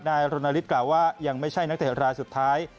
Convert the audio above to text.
นายโรนาลิสกล่าวว่ายังไม่ใช่นักเต็ดรายสุดท้าย